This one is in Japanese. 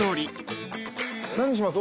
何にします？